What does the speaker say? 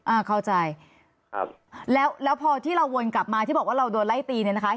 อ่าเข้าใจครับแล้วแล้วพอที่เราวนกลับมาที่บอกว่าเราโดนไล่ตีเนี่ยนะคะ